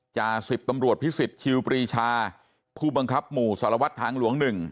จาก๑๐ตำรวจพิสิทธิวปรีชาผู้บังคับหมู่สารวัตรทางหลวง๑